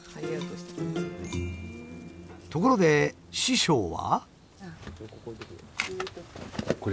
ところで師匠は？